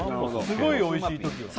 すごいおいしい時は？